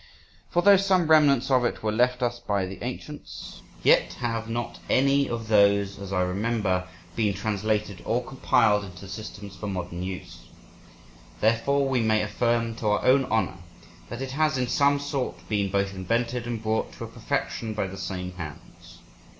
For though some remains of it were left us by the ancients, yet have not any of those, as I remember, been translated or compiled into systems for modern use. Therefore we may affirm, to our own honour, that it has in some sort been both invented and brought to a perfection by the same hands.